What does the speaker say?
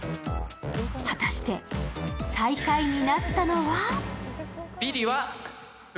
果たして、最下位になったのは？